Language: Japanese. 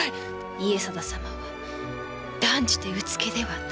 家定様は断じてうつけではない。